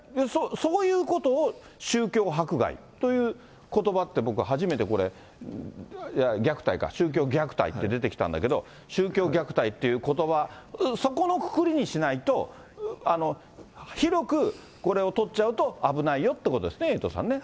そういうことを、宗教迫害ということばって、僕は初めて、虐待か、宗教虐待って出てきたんだけど、宗教虐待ということば、そこのくくりにしないと、広く、これを取っちゃうと、危ないよってことですよね、エイトさんね。